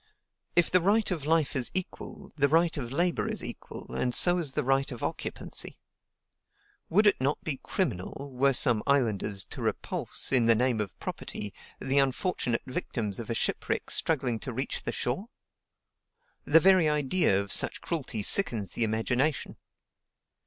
If the right of life is equal, the right of labor is equal, and so is the right of occupancy. Would it not be criminal, were some islanders to repulse, in the name of property, the unfortunate victims of a shipwreck struggling to reach the shore? The very idea of such cruelty sickens the imagination.